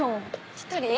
１人？